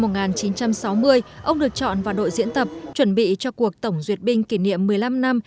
năm một nghìn chín trăm sáu mươi ông được chọn vào đội diễn tập chuẩn bị cho cuộc tổng duyệt binh kỷ niệm một mươi năm năm